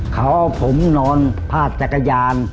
เขาเอาผมนอนพาดจักรยาน